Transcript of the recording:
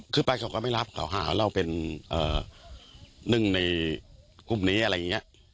คือไปเขาก็ไม่รับเขาหาว่าเราเป็นหนึ่งในกลุ่มนี้อะไรอย่างนี้